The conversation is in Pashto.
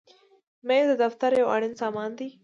مېز د دفتر یو اړین سامان دی.